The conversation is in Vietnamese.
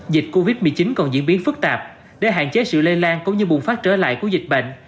dịch covid một mươi chín còn diễn biến phức tạp để hạn chế sự lây lan cũng như bùng phát trở lại của dịch bệnh